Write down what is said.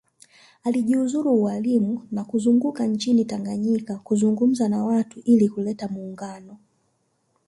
Alijiuzuru ualimu na kuzunguka nchini Tanganyika kuzungumza na watu ili kuleta muungano